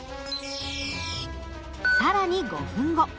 更に５分後。